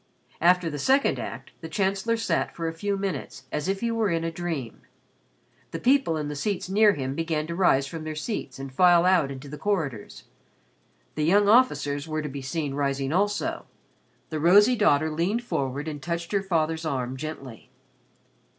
After the second act the Chancellor sat for a few minutes as if he were in a dream. The people in the seats near him began to rise from their seats and file out into the corridors. The young officers were to be seen rising also. The rosy daughter leaned forward and touched her father's arm gently.